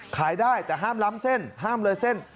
ขายได้แต่ห้ามล้ำเส้นห้ามเลยเส้น